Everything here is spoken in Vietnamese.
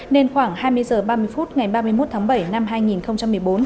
nên khoảng hai mươi h ba mươi phút ngày ba mươi một tháng bảy năm hai nghìn một mươi bốn